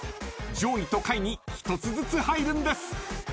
［上位と下位に１つずつ入るんです］